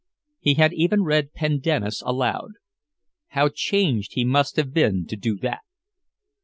He had even read "Pendennis" aloud. How changed he must have been to do that.